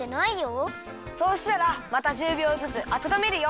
そうしたらまた１０びょうずつあたためるよ。